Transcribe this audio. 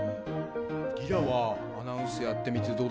莉良はアナウンスやってみてどうでしたか？